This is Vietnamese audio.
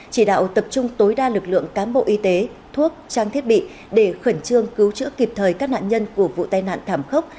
chỉ đạo tập trung tối đa lực lượng cám bộ y tế thuốc trang thiết bị để khẩn trương cứu chữa kịp thời các nạn nhân của vụ tai nạn thảm khốc